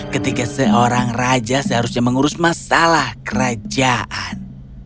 ketika seorang raja seharusnya mengurus masalah kerajaan